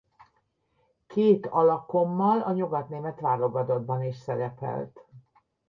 Két alakommal a nyugatnémet válogatottban is szerepelt.